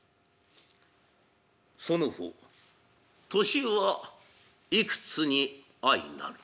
「その方年はいくつに相なる」。